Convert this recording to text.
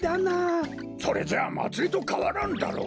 それじゃあまつりとかわらんだろう。